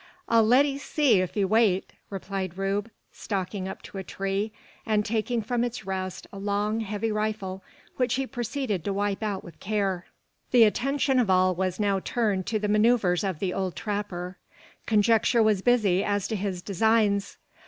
"I'll let 'ee see if 'ee wait," replied Rube, stalking up to a tree, and taking from its rest a long, heavy rifle, which he proceeded to wipe out with care. The attention of all was now turned to the manoeuvres of the old trapper. Conjecture was busy as to his designs.